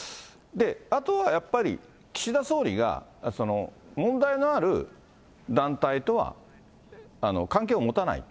あとはやっぱり、岸田総理が、問題のある団体とは関係を持たない。